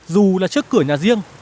dù là trước cửa nhà riêng